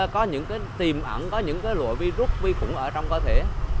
có những tìm ẩn có những loại virus vi khủng ở trong cơ thể